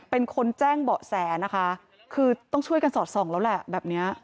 เป็นคนแจ้งเบาะแสนะคะคือต้องช่วยกันสอดส่องแล้วแหละแบบนี้